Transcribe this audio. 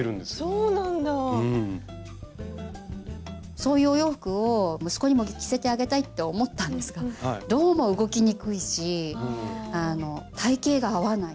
そういうお洋服を息子にも着せてあげたいって思ったんですがどうも動きにくいし体型が合わない。